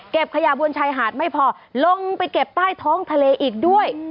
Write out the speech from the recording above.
ขยะบนชายหาดไม่พอลงไปเก็บใต้ท้องทะเลอีกด้วย